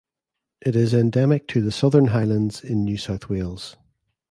It is endemic to the Southern Highlands in New South Wales.